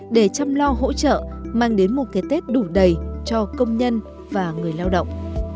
để chăm lo hỗ trợ mang đến một cái tết đủ đầy cho công nhân và người lao động